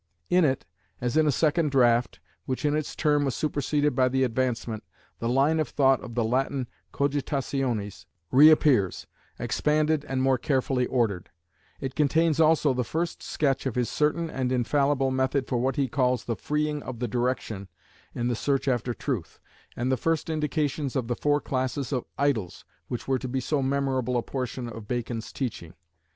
In it, as in a second draft, which in its turn was superseded by the Advancement, the line of thought of the Latin Cogitationes reappears, expanded and more carefully ordered; it contains also the first sketch of his certain and infallible method for what he calls the "freeing of the direction" in the search after Truth, and the first indications of the four classes of "Idols" which were to be so memorable a portion of Bacon's teaching.